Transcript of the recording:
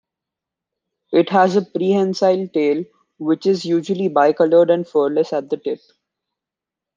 It has a prehensile tail which is usually bicoloured and furless at the tip.